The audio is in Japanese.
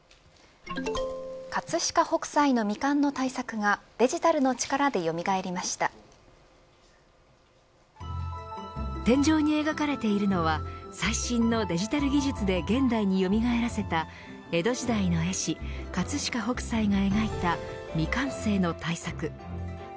葛飾北斎の未完の大作が天井に描かれているのは最新のデジタル技術で現代によみがえらせた江戸時代の絵師葛飾北斎が描いた未完成の大作。